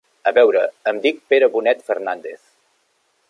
A veure, em dic Pere Bonet Fernández.